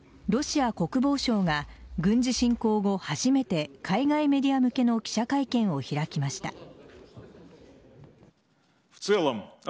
ロシア国防省が軍事侵攻後、初めて海外メディア向けの記者会見を開きました。